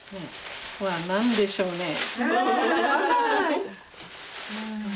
わ何でしょうね？